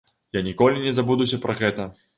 Я ніколі не забудуся пра гэта.